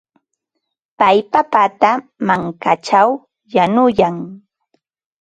Pay papata mankaćhaw yanuyan.